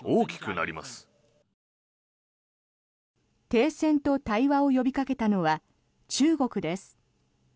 停戦と対話を呼びかけたのは中国です。